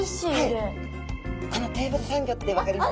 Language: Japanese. あのテーブルサンギョって分かります？